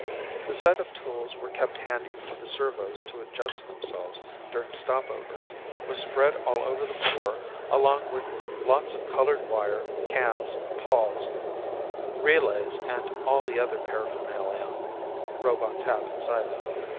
The set of tools were kept handy for the servos to adjust themselves during stopovers was spread all over the floor along with lots of colored wire, cams, pawls, relays and all the other paraphernalia robots have inside them.